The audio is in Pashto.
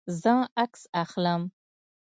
زه عکس اخلم